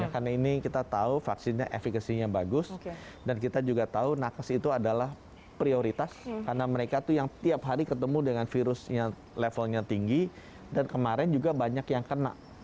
karena ini kita tahu vaksinnya efekasinya bagus dan kita juga tahu nakes itu adalah prioritas karena mereka itu yang tiap hari ketemu dengan virusnya levelnya tinggi dan kemarin juga banyak yang kena